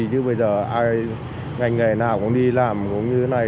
chứ bây giờ ngành ngày nào cũng đi làm cũng như thế này